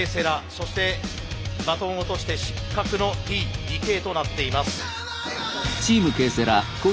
そしてバトンを落として失格のＴ・ＤＫとなっています。